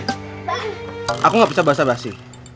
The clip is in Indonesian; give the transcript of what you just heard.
hapanya seperti tem naomi